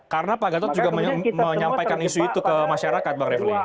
karena pak gatot juga menyampaikan isu itu ke masyarakat bang refli